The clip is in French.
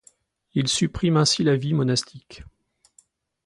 Il supprime ainsi la vie monastique.